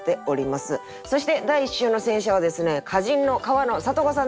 そして第１週の選者はですね歌人の川野里子さんです。